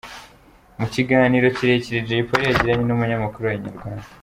Mu kiganiro kirekire Jay Polly yagiranye n’umunyamakuru wa Inyarwanda.